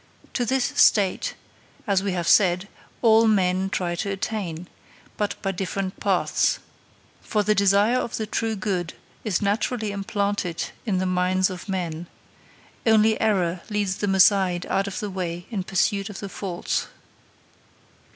To this state, as we have said, all men try to attain, but by different paths. For the desire of the true good is naturally implanted in the minds of men; only error leads them aside out of the way in pursuit of the false.